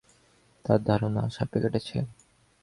তার ধারণা, সাপে কেটেছে।